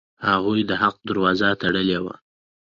هغوی د حق دروازه تړلې وه.